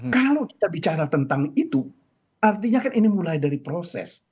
kalau kita bicara tentang itu artinya kan ini mulai dari proses